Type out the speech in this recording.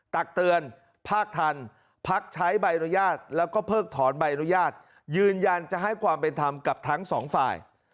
ตักเตือนภาคทันพักใช้ใบอนุญาตแล้วก็เพิกถอนใบอนุญาตยืนยันจะให้ความเป็นธรรมกับทั้งสองฝ่าย